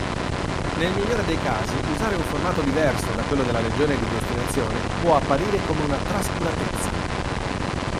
Nel migliore dei casi, usare un formato diverso da quello della regione di destinazione può apparire come una trascuratezza.